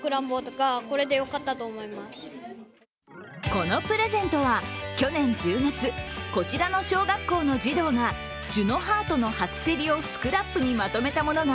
このプレゼントは去年１０月、こちらの小学校の児童がジュノハートの初競りをスクラップにまとめたものが